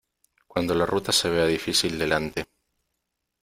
Cuando la ruta se vea difícil delante .